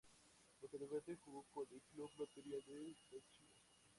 Posteriormente jugó con el Club Lotería del Táchira.